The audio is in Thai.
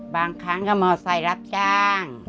บางครั้งก็มอเซล์รับจ้าง